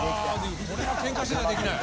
これはけんかしてちゃできない。